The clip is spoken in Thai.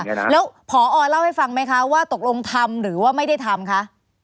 เนี่ยนะค่ะแล้วพออร์เล่าให้ฟังไหมคะว่าตกลงทำหรือว่าไม่ได้ทำค่ะ